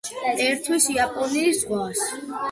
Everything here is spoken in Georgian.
ერთვის იაპონიის ზღვას.